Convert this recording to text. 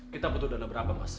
kita butuh dana berapa mas